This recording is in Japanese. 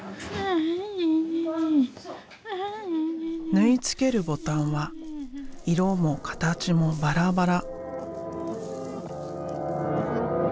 縫い付けるボタンは色も形もバラバラ。